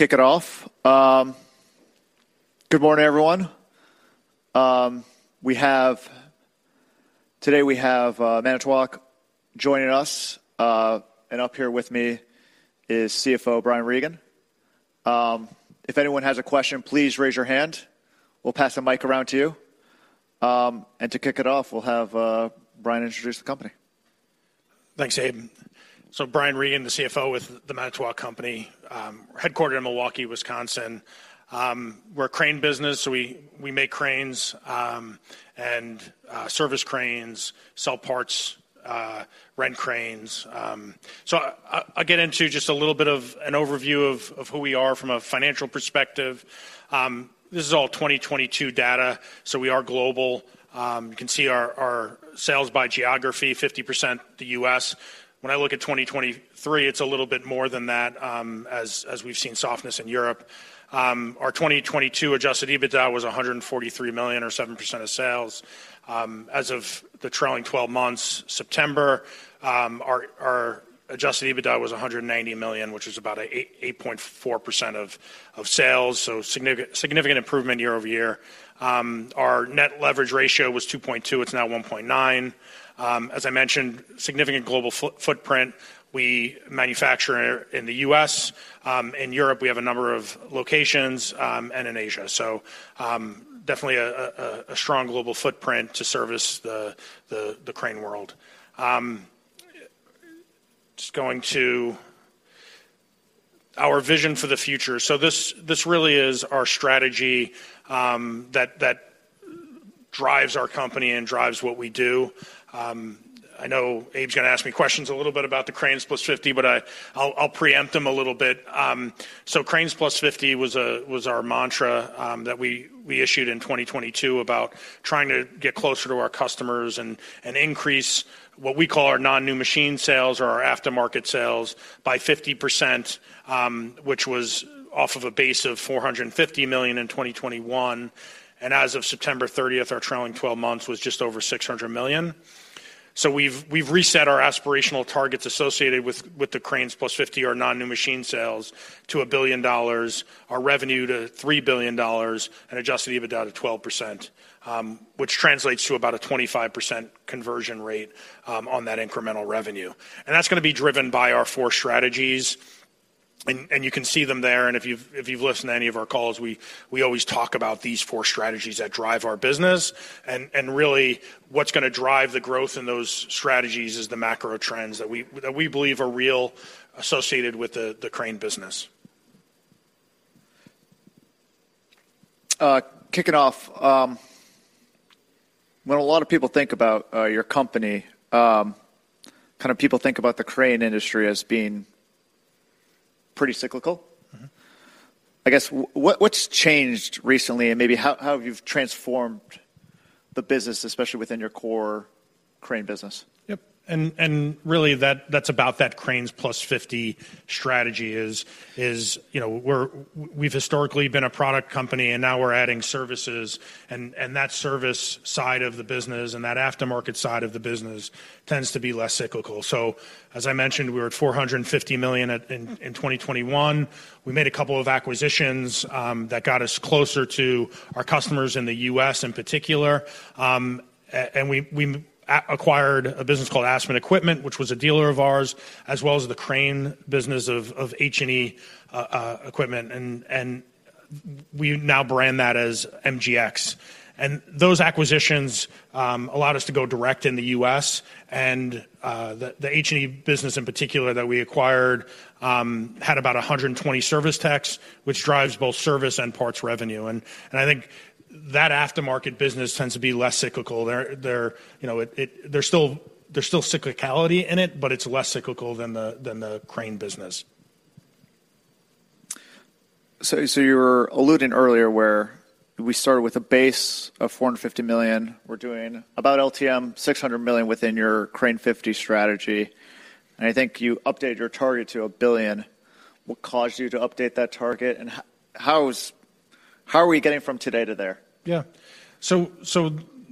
Kick it off. Good morning, everyone. Today, we have Manitowoc joining us, and up here with me is CFO Brian Regan. If anyone has a question, please raise your hand. We'll pass the mic around to you. And to kick it off, we'll have Brian introduce the company. Thanks, Abe. So Brian Regan, the CFO with the Manitowoc Company, we're headquartered in Milwaukee, Wisconsin. We're a crane business, so we make cranes, and service cranes, sell parts, rent cranes. So I'll get into just a little bit of an overview of who we are from a financial perspective. This is all 2022 data, so we are global. You can see our sales by geography, 50% the U.S. When I look at 2023, it's a little bit more than that, as we've seen softness in Europe. Our 2022 adjusted EBITDA was $143 million, or 7% of sales. As of the trailing twelve months, September, our adjusted EBITDA was $190 million, which is about 8.4% of sales, so significant improvement year-over-year. Our net leverage ratio was 2.2; it's now 1.9. As I mentioned, significant global footprint. We manufacture in the U.S. In Europe, we have a number of locations, and in Asia. So, definitely a strong global footprint to service the crane world. Just going to our vision for the future. So this really is our strategy that drives our company and drives what we do. I know Abe's gonna ask me questions a little bit about the Cranes+50, but I'll preempt them a little bit. So Cranes+50 was our mantra that we issued in 2022 about trying to get closer to our customers and increase what we call our non-new machine sales or our aftermarket sales by 50%, which was off of a base of $450 million in 2021. And as of September 30th, our trailing twelve months was just over $600 million. So we've reset our aspirational targets associated with the Cranes+50, our non-new machine sales, to $1 billion, our revenue to $3 billion, and Adjusted EBITDA to 12%, which translates to about a 25% conversion rate on that incremental revenue. And that's gonna be driven by our four strategies, and you can see them there. And if you've listened to any of our calls, we always talk about these four strategies that drive our business. And really, what's gonna drive the growth in those strategies is the macro trends that we believe are real associated with the crane business. Kicking off, when a lot of people think about your company, kind of people think about the crane industry as being pretty cyclical. Mm-hmm. I guess what's changed recently and maybe how have you transformed the business, especially within your core crane business? Yep. And really, that's about that Cranes+50 strategy, you know, we've historically been a product company, and now we're adding services, and that service side of the business and that aftermarket side of the business tends to be less cyclical. So as I mentioned, we were at $450 million in 2021. We made a couple of acquisitions that got us closer to our customers in the U.S. in particular. And we acquired a business called Aspen Equipment, which was a dealer of ours, as well as the crane business of H&E Equipment, and we now brand that as MGX. And those acquisitions allowed us to go direct in the U.S., and the H&E business in particular that we acquired had about 120 service techs, which drives both service and parts revenue. And I think that aftermarket business tends to be less cyclical. You know, there's still cyclicality in it, but it's less cyclical than the crane business. So you were alluding earlier where we started with a base of $450 million. We're doing about LTM $600 million within your Crane 50 strategy, and I think you updated your target to $1 billion. What caused you to update that target? And how are we getting from today to there? Yeah. So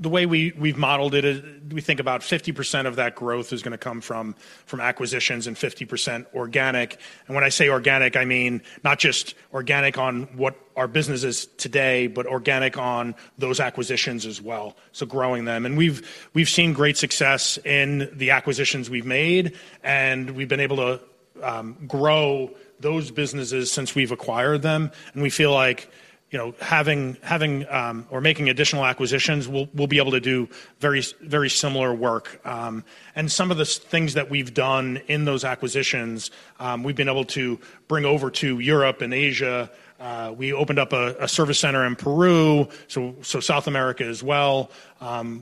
the way we've modeled it is, we think about 50% of that growth is gonna come from acquisitions and 50% organic. And when I say organic, I mean not just organic on what our business is today, but organic on those acquisitions as well, so growing them. And we've seen great success in the acquisitions we've made, and we've been able to grow those businesses since we've acquired them. And we feel like, you know, having or making additional acquisitions, we'll be able to do very similar work. And some of the things that we've done in those acquisitions, we've been able to bring over to Europe and Asia. We opened up a service center in Peru, so South America as well,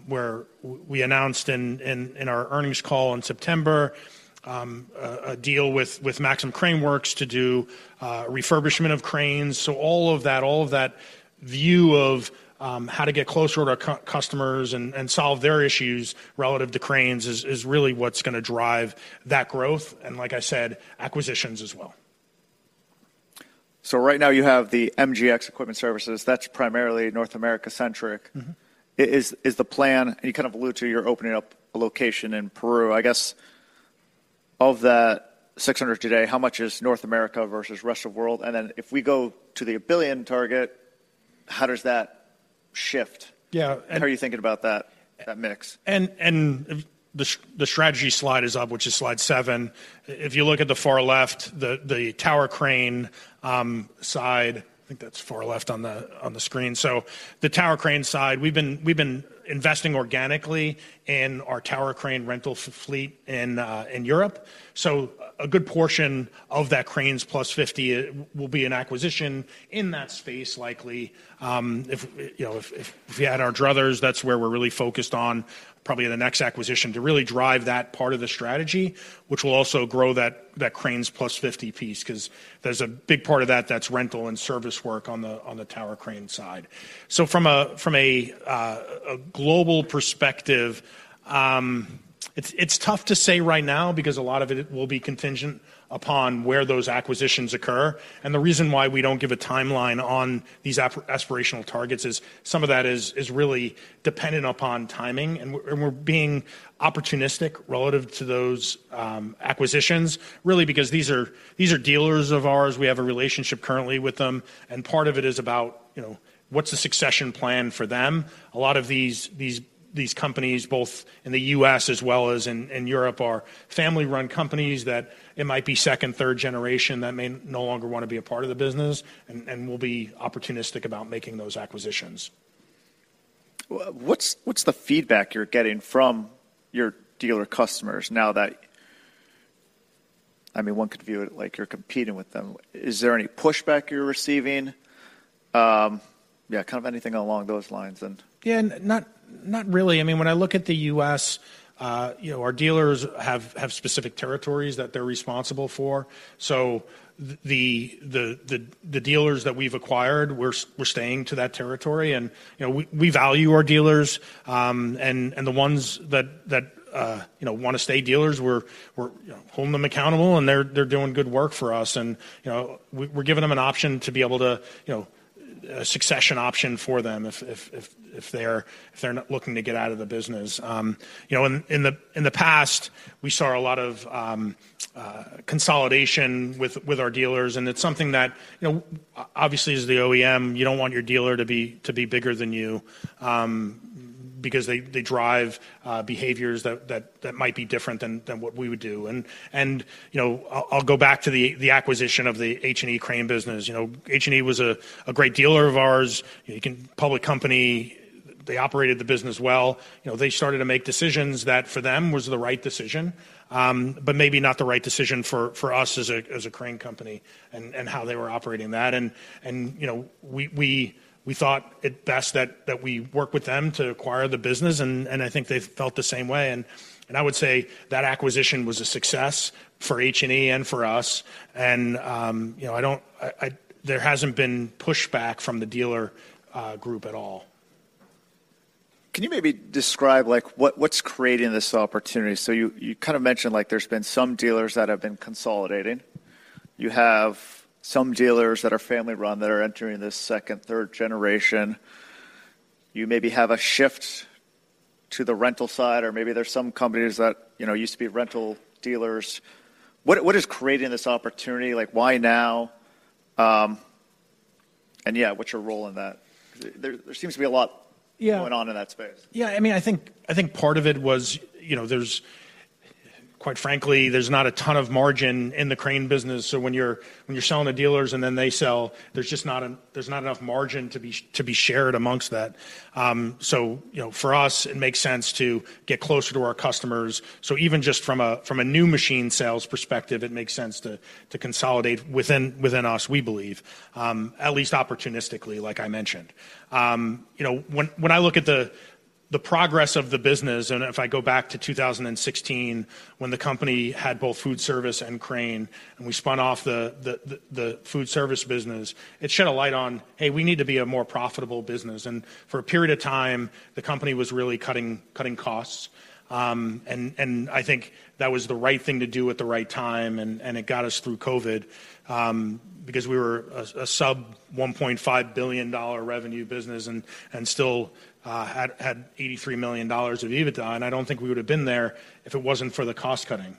where we announced in our earnings call in September a deal with Maxim Crane Works to do refurbishment of cranes. So all of that view of how to get closer to our customers and solve their issues relative to cranes is really what's gonna drive that growth, and like I said, acquisitions as well. Right now, you have the MGX Equipment Services. That's primarily North America-centric. Mm-hmm. Is the plan... And you kind of allude to you're opening up a location in Peru. I guess... Of that $600 million today, how much is North America versus rest of world? And then if we go to the $1 billion target, how does that shift? Yeah, and- How are you thinking about that, that mix? The strategy slide is up, which is slide seven. If you look at the far left, the tower crane side, I think that's far left on the screen. So the tower crane side, we've been investing organically in our tower crane rental fleet in Europe. So a good portion of that Cranes+50 will be an acquisition in that space, likely. If you know, if we had our druthers, that's where we're really focused on probably the next acquisition, to really drive that part of the strategy, which will also grow that Cranes+50 piece, 'cause there's a big part of that that's rental and service work on the tower crane side. So from a global perspective, it's tough to say right now because a lot of it will be contingent upon where those acquisitions occur. And the reason why we don't give a timeline on these aspirational targets is some of that is really dependent upon timing, and we're being opportunistic relative to those acquisitions. Really because these are dealers of ours. We have a relationship currently with them, and part of it is about, you know, what's the succession plan for them? A lot of these companies, both in the U.S. as well as in Europe, are family-run companies that it might be second, third generation that may no longer want to be a part of the business, and we'll be opportunistic about making those acquisitions. Well, what's the feedback you're getting from your dealer customers now that... I mean, one could view it like you're competing with them? Is there any pushback you're receiving? Yeah, kind of anything along those lines, and- Yeah, not really. I mean, when I look at the U.S., you know, our dealers have specific territories that they're responsible for. So the dealers that we've acquired, we're staying to that territory. And, you know, we value our dealers, and the ones that, you know, want to stay dealers, we're, you know, holding them accountable, and they're doing good work for us. And, you know, we're giving them an option to be able to, you know, a succession option for them if they're not looking to get out of the business. You know, in the past, we saw a lot of consolidation with our dealers, and it's something that, you know, obviously, as the OEM, you don't want your dealer to be bigger than you, because they drive behaviors that might be different than what we would do. And, you know, I'll go back to the acquisition of the H&E Crane business. You know, H&E was a great dealer of ours, you know, public company. They operated the business well. You know, they started to make decisions that, for them, was the right decision, but maybe not the right decision for us as a crane company and how they were operating that. You know, we thought it best that we work with them to acquire the business, and I think they felt the same way. And I would say that acquisition was a success for H&E and for us, and, you know, there hasn't been pushback from the dealer group at all. Can you maybe describe, like, what, what's creating this opportunity? So you kind of mentioned, like, there's been some dealers that have been consolidating. You have some dealers that are family-run that are entering this second, third generation. You maybe have a shift to the rental side, or maybe there's some companies that, you know, used to be rental dealers. What is creating this opportunity? Like, why now? And yeah, what's your role in that? There seems to be a lot- Yeah... going on in that space. Yeah, I mean, I think part of it was, you know, quite frankly, there's not a ton of margin in the crane business. So when you're selling to dealers and then they sell, there's just not enough margin to be shared amongst that. So, you know, for us, it makes sense to get closer to our customers. So even just from a new machine sales perspective, it makes sense to consolidate within us, we believe, at least opportunistically, like I mentioned. You know, when I look at the progress of the business, and if I go back to 2016, when the company had both food service and crane, and we spun off the food service business, it shed a light on, "Hey, we need to be a more profitable business." For a period of time, the company was really cutting costs. I think that was the right thing to do at the right time, and it got us through COVID, because we were a sub $1.5 billion revenue business and still had $83 million of EBITDA, and I don't think we would have been there if it wasn't for the cost cutting.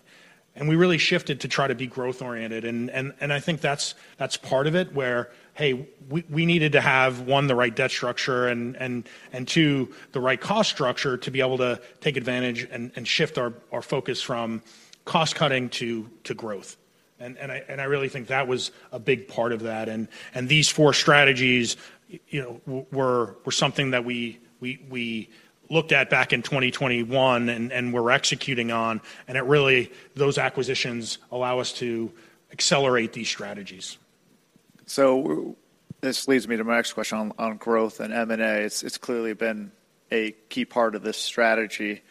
And we really shifted to try to be growth-oriented, and I think that's part of it, where, hey, we needed to have, one, the right debt structure, and two, the right cost structure to be able to take advantage and shift our focus from cost cutting to growth. And I really think that was a big part of that, and these four strategies, you know, were something that we looked at back in 2021 and we're executing on, and it really... Those acquisitions allow us to accelerate these strategies. So this leads me to my next question on growth and M&A. It's clearly been a key part of this strategy.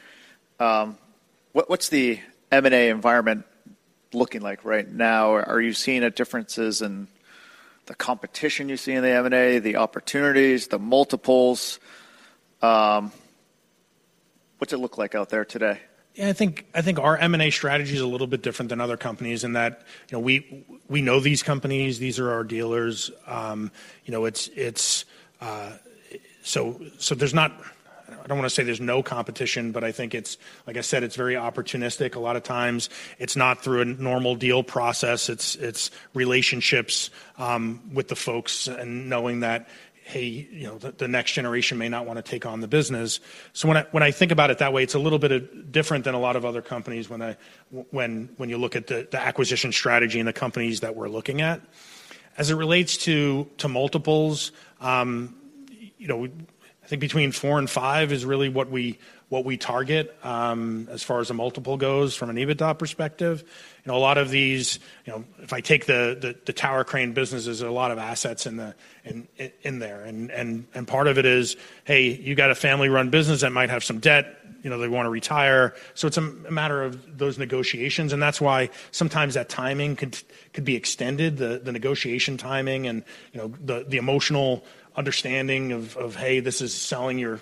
What's the M&A environment looking like right now? Are you seeing a differences in the competition you see in the M&A, the opportunities, the multiples? What's it look like out there today? Yeah, I think our M&A strategy is a little bit different than other companies in that, you know, we know these companies. These are our dealers. You know, it's. So, there's not—I don't wanna say there's no competition, but I think it's, like I said, it's very opportunistic. A lot of times, it's not through a normal deal process. It's relationships with the folks and knowing that, hey, you know, the next generation may not wanna take on the business. So when I think about it that way, it's a little bit different than a lot of other companies when you look at the acquisition strategy and the companies that we're looking at. As it relates to multiples, you know, I think between four and five is really what we target as far as the multiple goes from an EBITDA perspective. You know, a lot of these—you know, if I take the tower crane businesses, there are a lot of assets in there. And part of it is, hey, you got a family-run business that might have some debt, you know, they wanna retire. So it's a matter of those negotiations, and that's why sometimes that timing could be extended, the negotiation timing and, you know, the emotional understanding of, "Hey, this is selling your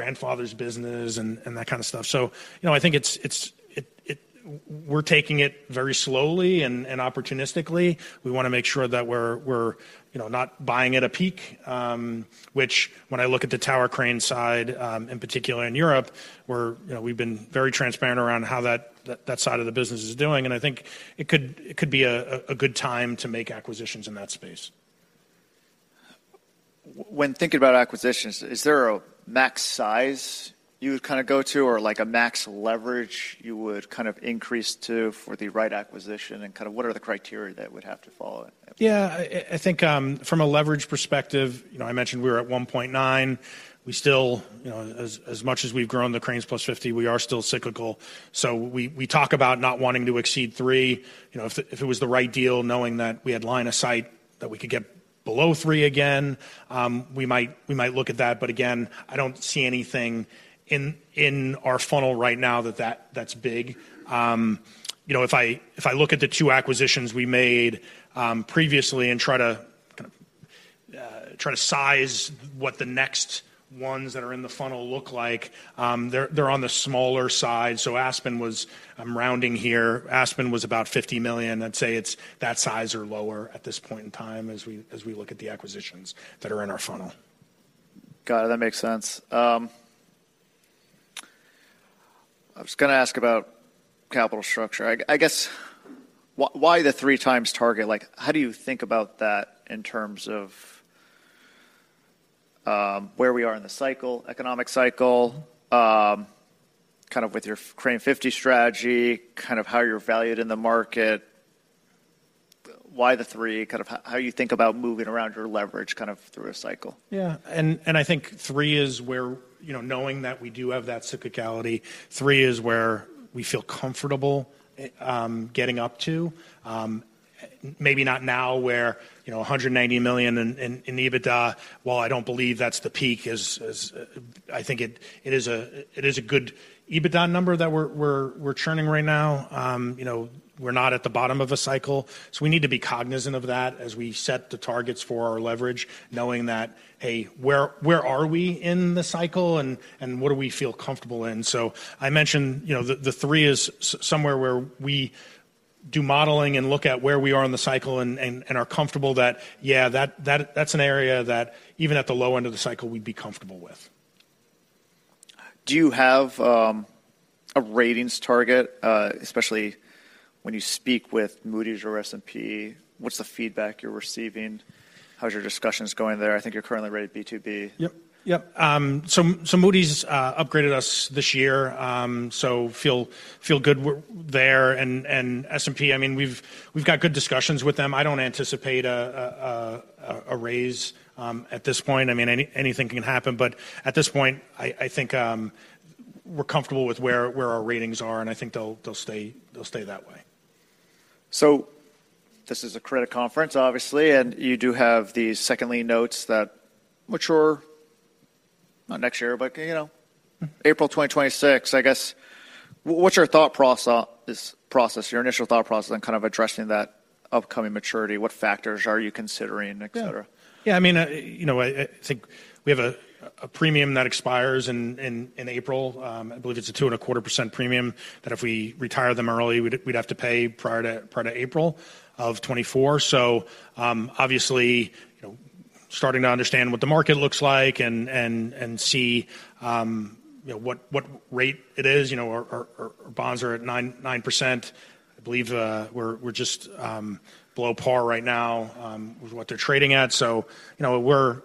grandfather's business," and that kind of stuff. So, you know, I think it's—we're taking it very slowly and opportunistically. We wanna make sure that we're, you know, not buying at a peak, which when I look at the tower crane side, in particular in Europe, you know, we've been very transparent around how that side of the business is doing, and I think it could be a good time to make acquisitions in that space. When thinking about acquisitions, is there a max size you would kinda go to or, like, a max leverage you would kind of increase to for the right acquisition? And kind of what are the criteria that would have to follow? Yeah, I think, from a leverage perspective, you know, I mentioned we're at 1.9. We still... You know, as much as we've grown the Cranes+50, we are still cyclical. So we talk about not wanting to exceed 3. You know, if it was the right deal, knowing that we had line of sight, that we could get below 3 again, we might look at that. But again, I don't see anything in our funnel right now that that's big. You know, if I look at the two acquisitions we made previously and try to kind of try to size what the next ones that are in the funnel look like, they're on the smaller side. So Aspen was... I'm rounding here. Aspen was about $50 million. I'd say it's that size or lower at this point in time as we, as we look at the acquisitions that are in our funnel. Got it. That makes sense. I was gonna ask about capital structure. I guess, why the 3x target? Like, how do you think about that in terms of, where we are in the cycle, economic cycle, kind of with your Cranes+50 strategy, kind of how you're valued in the market? Why the 3x? Kind of how you think about moving around your leverage kind of through a cycle? Yeah. I think three is where—you know, knowing that we do have that cyclicality, three is where we feel comfortable getting up to. Maybe not now where, you know, $190 million in EBITDA, while I don't believe that's the peak. I think it is a good EBITDA number that we're churning right now. You know, we're not at the bottom of a cycle, so we need to be cognizant of that as we set the targets for our leverage, knowing that, hey, where are we in the cycle, and what do we feel comfortable in? So I mentioned, you know, the 3x is somewhere where we do modeling and look at where we are in the cycle and are comfortable that, yeah, that's an area that even at the low end of the cycle, we'd be comfortable with. Do you have a ratings target, especially when you speak with Moody's or S&P? What's the feedback you're receiving? How are your discussions going there? I think you're currently rated B2, B. Yep, yep. So Moody's upgraded us this year, so feel good with there. And S&P, I mean, we've got good discussions with them. I don't anticipate a raise at this point. I mean, anything can happen, but at this point, I think we're comfortable with where our ratings are, and I think they'll stay that way. So this is a credit conference, obviously, and you do have these second lien notes that mature, not next year, but, you know, April 2026. I guess, what's your thought process, your initial thought process in kind of addressing that upcoming maturity? What factors are you considering, et cetera? Yeah. Yeah, I mean, you know, I think we have a premium that expires in April. I believe it's a 2.25% premium, that if we retire them early, we'd have to pay prior to April of 2024. So, obviously, you know, starting to understand what the market looks like and see, you know, what rate it is. You know, our bonds are at 9%. I believe, we're just below par right now, with what they're trading at. So, you know, we're.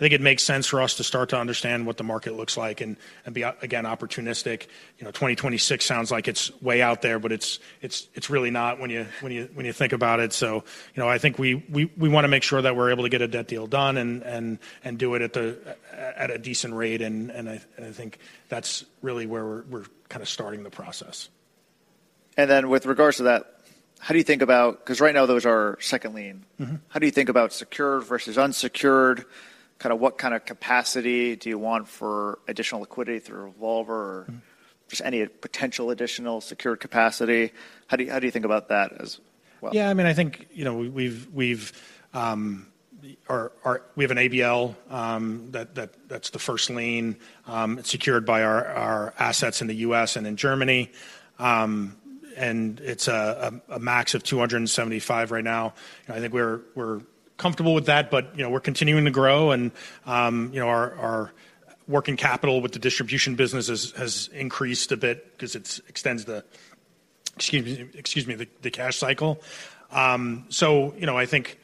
I think it makes sense for us to start to understand what the market looks like and be, again, opportunistic. You know, 2026 sounds like it's way out there, but it's really not when you think about it. So, you know, I think we wanna make sure that we're able to get a debt deal done and do it at a decent rate, and I think that's really where we're kind of starting the process. And then with regards to that, how do you think about-- 'cause right now, those are second lien? Mm-hmm. How do you think about secured versus unsecured? Kinda, what kind of capacity do you want for additional liquidity through a revolver- Mm-hmm... or just any potential additional secured capacity? How do you, how do you think about that as well? Yeah, I mean, I think, you know, we have an ABL that's the first lien secured by our assets in the U.S. and in Germany. It's a max of $275 right now. I think we're comfortable with that, but, you know, we're continuing to grow, and, you know, our working capital with the distribution business has increased a bit 'cause it extends the cash cycle. So, you know, I think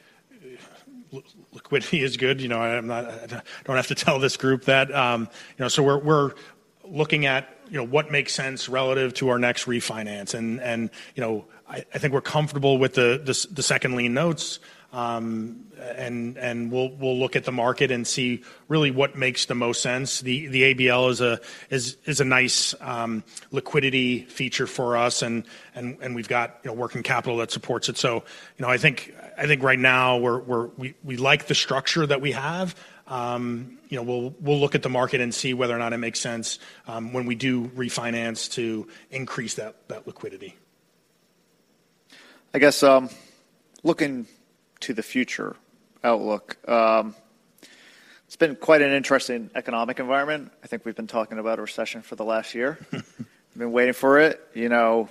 liquidity is good. You know, I'm not-- I don't have to tell this group that. You know, so we're looking at what makes sense relative to our next refinance, and you know, I think we're comfortable with the second lien notes. And we'll look at the market and see really what makes the most sense. The ABL is a nice liquidity feature for us, and we've got working capital that supports it. So, you know, I think right now we like the structure that we have. You know, we'll look at the market and see whether or not it makes sense when we do refinance to increase that liquidity. I guess, looking to the future outlook, it's been quite an interesting economic environment. I think we've been talking about a recession for the last year. We've been waiting for it. You know,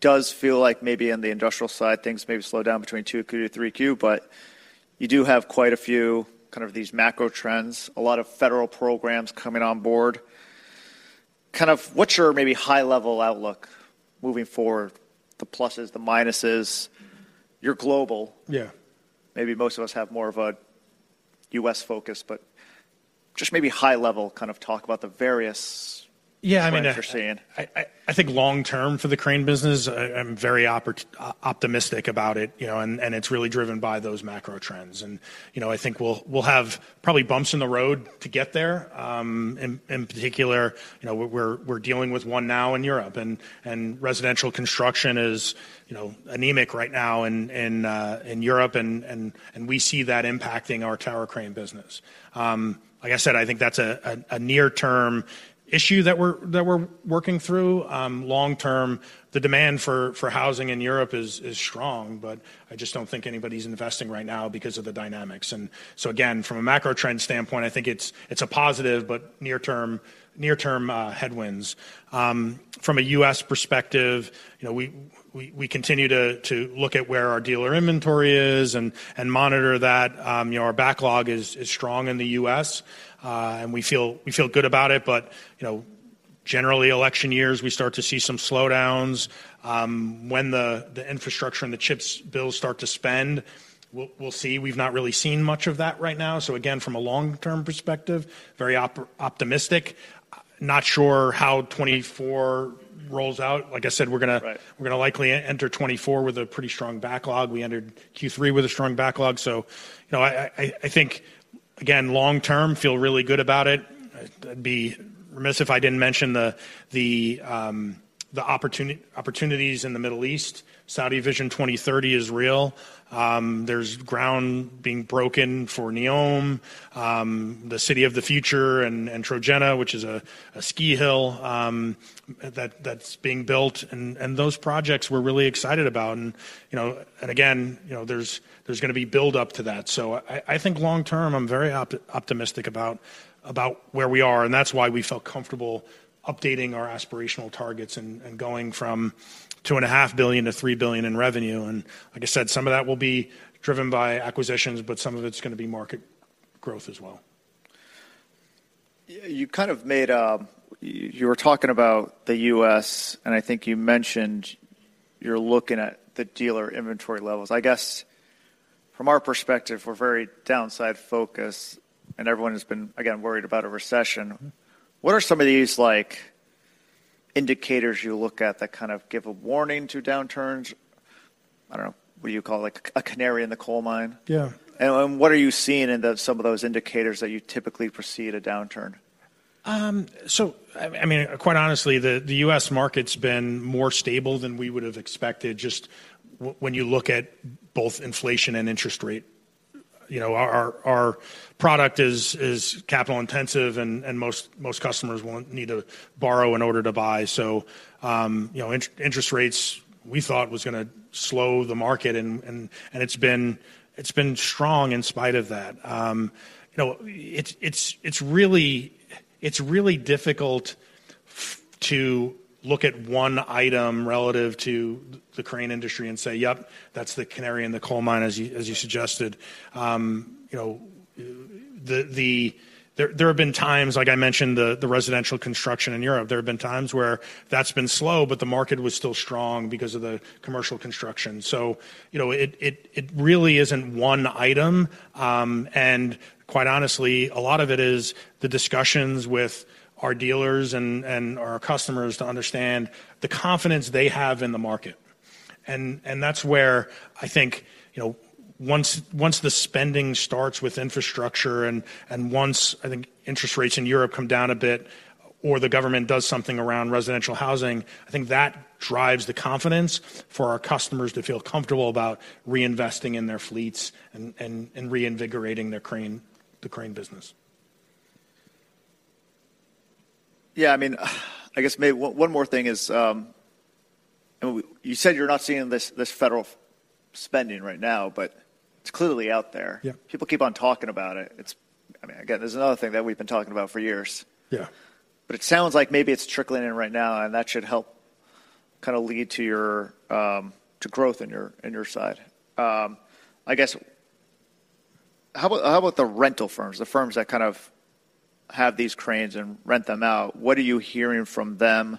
does feel like maybe on the industrial side, things maybe slow down between 2Q to 3Q, but you do have quite a few kind of these macro trends, a lot of federal programs coming on board. Kind of what's your maybe high-level outlook moving forward? The pluses, the minuses. You're global. Yeah. Maybe most of us have more of a U.S. focus, but just maybe high level, kind of talk about the various- Yeah, I mean- Trends you're seeing. I think long term for the crane business, I'm very optimistic about it, you know, and it's really driven by those macro trends. You know, I think we'll have probably bumps in the road to get there. In particular, you know, we're dealing with one now in Europe, and residential construction is, you know, anemic right now in Europe, and we see that impacting our tower crane business. Like I said, I think that's a near-term issue that we're working through. Long term, the demand for housing in Europe is strong, but I just don't think anybody's investing right now because of the dynamics. So again, from a macro trend standpoint, I think it's a positive, but near-term headwinds. From a U.S. perspective, you know, we continue to look at where our dealer inventory is and monitor that. You know, our backlog is strong in the U.S., and we feel good about it. But, you know, generally, election years, we start to see some slowdowns. When the infrastructure and the CHIPS bills start to spend, we'll see. We've not really seen much of that right now. So again, from a long-term perspective, very optimistic. Not sure how 2024 rolls out. Like I said, we're gonna- Right... we're gonna likely enter 2024 with a pretty strong backlog. We entered Q3 with a strong backlog, so, you know, I think, again, long term, feel really good about it. I'd be remiss if I didn't mention the opportunities in the Middle East. Saudi Vision 2030 is real. There's ground being broken for NEOM, the city of the future, and Trojena, which is a ski hill, that's being built, and those projects we're really excited about. And again, you know, there's gonna be build-up to that. So I think long term, I'm very optimistic about where we are, and that's why we felt comfortable updating our aspirational targets and going from $2.5 billion-$3 billion in revenue. Like I said, some of that will be driven by acquisitions, but some of it's gonna be market growth as well. You kind of, you were talking about the U.S., and I think you mentioned you're looking at the dealer inventory levels. I guess from our perspective, we're very downside focused, and everyone has been, again, worried about a recession. Mm-hmm. What are some of these like indicators you look at that kind of give a warning to downturns? I don't know. What do you call it? Like a canary in the coal mine. Yeah. What are you seeing in some of those indicators that you typically foresee at a downturn? So I mean, quite honestly, the U.S. market's been more stable than we would have expected, just when you look at both inflation and interest rate. You know, our product is capital intensive, and most customers won't need to borrow in order to buy. So you know, interest rates, we thought was gonna slow the market, and it's been strong in spite of that. You know, it's really difficult to look at one item relative to the crane industry and say: Yep, that's the canary in the coal mine, as you suggested. You know, there have been times, like I mentioned, the residential construction in Europe. There have been times where that's been slow, but the market was still strong because of the commercial construction. So you know, it really isn't one item. And quite honestly, a lot of it is the discussions with our dealers and our customers to understand the confidence they have in the market. And that's where I think, you know, once the spending starts with infrastructure and once, I think, interest rates in Europe come down a bit, or the government does something around residential housing, I think that drives the confidence for our customers to feel comfortable about reinvesting in their fleets and reinvigorating their crane business. Yeah, I mean, I guess one more thing is, and we... You said you're not seeing this, this federal spending right now, but... It's clearly out there. Yeah. People keep on talking about it. It's, I mean, again, this is another thing that we've been talking about for years. Yeah. But it sounds like maybe it's trickling in right now, and that should help kinda lead to your, to growth in your, in your side. I guess, how about, how about the rental firms, the firms that kind of have these cranes and rent them out? What are you hearing from them,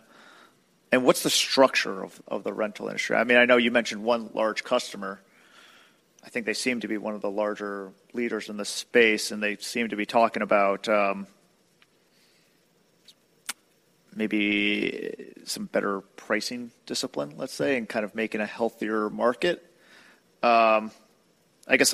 and what's the structure of the rental industry? I mean, I know you mentioned one large customer. I think they seem to be one of the larger leaders in this space, and they seem to be talking about, maybe some better pricing discipline, let's say, and kind of making a healthier market. I guess,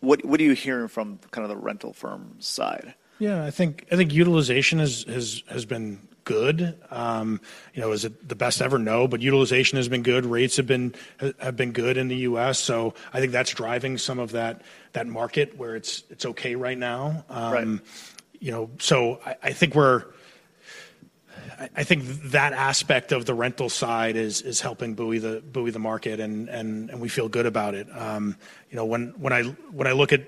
what, what are you hearing from kind of the rental firm side? Yeah, I think utilization has been good. You know, is it the best ever? No, but utilization has been good. Rates have been good in the U.S., so I think that's driving some of that market where it's okay right now. Right. You know, so I think that aspect of the rental side is helping buoy the market, and we feel good about it. You know, when I look at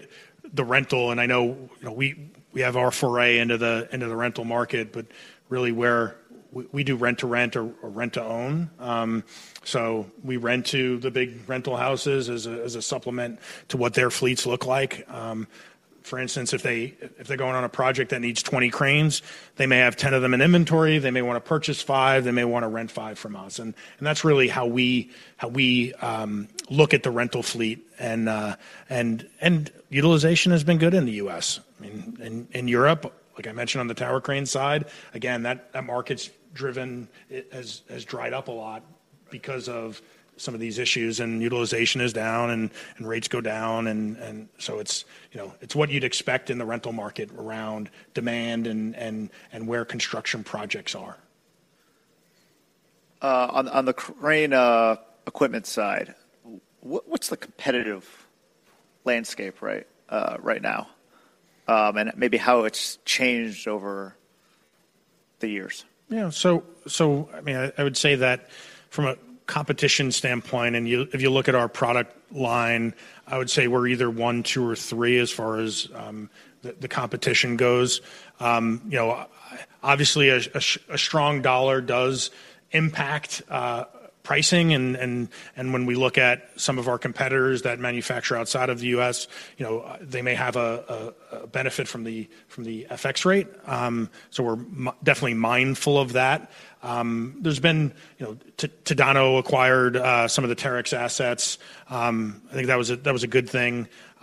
the rental, and I know, you know, we have our foray into the rental market, but really where we do rent-to-rent or rent-to-own. So we rent to the big rental houses as a supplement to what their fleets look like. For instance, if they're going on a project that needs 20 cranes, they may have 10 of them in inventory, they may wanna purchase five, they may wanna rent five from us, and that's really how we look at the rental fleet. And utilization has been good in the U.S. I mean, in Europe, like I mentioned on the tower crane side, again, that market's driven, it has dried up a lot because of some of these issues, and utilization is down, and rates go down, and so it's, you know, it's what you'd expect in the rental market around demand and where construction projects are. On the crane equipment side, what's the competitive landscape right now, and maybe how it's changed over the years? Yeah. So, I mean, I would say that from a competition standpoint, and you... If you look at our product line, I would say we're either one, two, or three as far as the competition goes. You know, obviously, a strong dollar does impact pricing, and when we look at some of our competitors that manufacture outside of the U.S., you know, they may have a benefit from the FX rate. So we're definitely mindful of that. There's been... You know, Tadano acquired some of the Terex assets. I think that was a good thing. You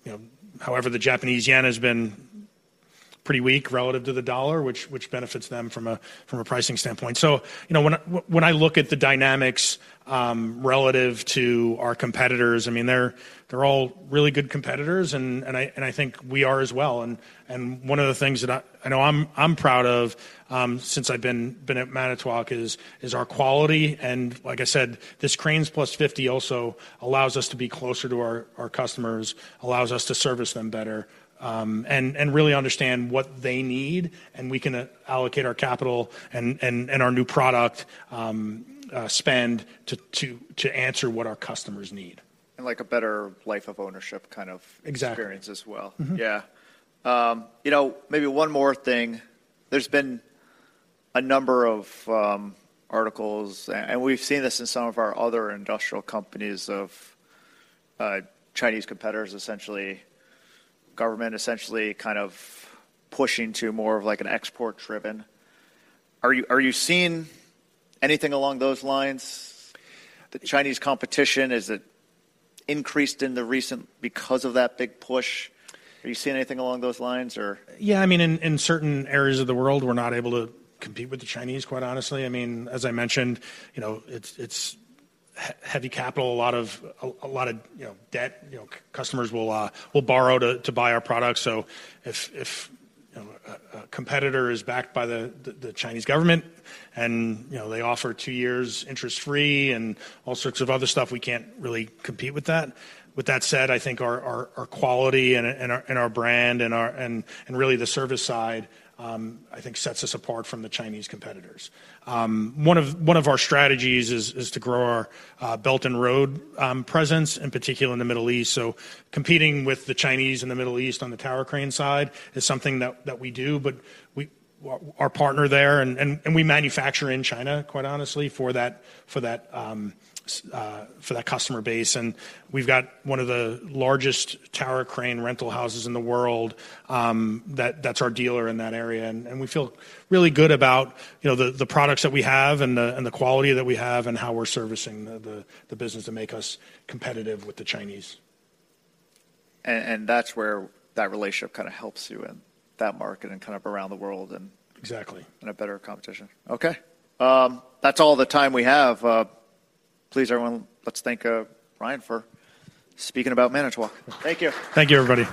know, however, the Japanese yen has been pretty weak relative to the dollar, which benefits them from a pricing standpoint. So, you know, when I look at the dynamics relative to our competitors, I mean, they're all really good competitors, and I think we are as well. And one of the things that I know I'm proud of since I've been at Manitowoc is our quality, and like I said, this Cranes+50 also allows us to be closer to our customers, allows us to service them better, and really understand what they need, and we can allocate our capital and our new product spend to answer what our customers need. Like a better life of ownership kind of- Exactly... experience as well. Mm-hmm. Yeah. You know, maybe one more thing. There's been a number of articles, and we've seen this in some of our other industrial companies, of Chinese competitors, essentially, government essentially kind of pushing to more of, like, an export-driven. Are you, are you seeing anything along those lines? The Chinese competition, has it increased recently because of that big push? Are you seeing anything along those lines or? Yeah, I mean, in certain areas of the world, we're not able to compete with the Chinese, quite honestly. I mean, as I mentioned, you know, it's heavy capital, a lot of, you know, debt. You know, customers will borrow to buy our products, so if you know, a competitor is backed by the Chinese government, and you know, they offer two years interest-free and all sorts of other stuff, we can't really compete with that. With that said, I think our quality and our brand, and really, the service side, I think sets us apart from the Chinese competitors. One of our strategies is to grow our Belt & Road presence, in particular in the Middle East. So competing with the Chinese in the Middle East on the tower crane side is something that we do, but we, our partner there, and we manufacture in China, quite honestly, for that customer base. And we've got one of the largest tower crane rental houses in the world, that that's our dealer in that area, and we feel really good about, you know, the products that we have, and the quality that we have, and how we're servicing the business to make us competitive with the Chinese. That's where that relationship kind of helps you in that market and kind of around the world, and- Exactly... in a better competition. Okay, that's all the time we have. Please, everyone, let's thank Brian for speaking about Manitowoc. Thank you. Thank you, everybody.